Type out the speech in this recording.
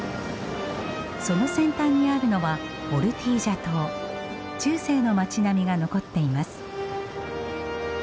その先端にあるのは中世の町並みが残っています。